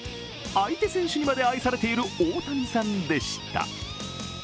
相手選手にまで愛されている大谷さんでした。